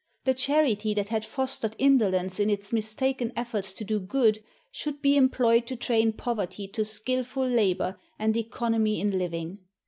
The charity that had fostered indolence in its mistaken efforts to do good, should be employed to train poverty to skillful labor and economy in living.